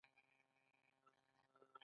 پلانګذاري د اهدافو د تشخیص پروسه ده.